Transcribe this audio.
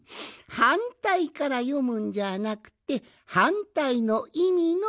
はんたいからよむんじゃなくてはんたいのいみのことばじゃよ。